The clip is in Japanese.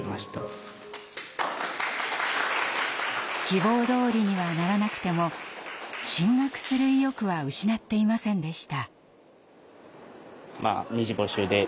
希望どおりにはならなくても進学する意欲は失っていませんでした。